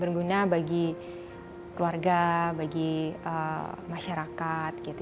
berguna bagi keluarga bagi masyarakat